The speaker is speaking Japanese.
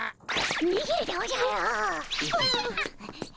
にげるでおじゃる。